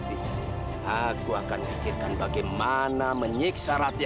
itu yang bisa bergerak